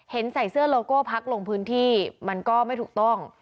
ใส่เสื้อโลโก้พักลงพื้นที่มันก็ไม่ถูกต้อง